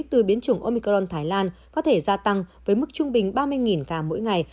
từ biến chủng omicron thái lan có thể gia tăng với mức trung bình ba mươi ca mỗi ngày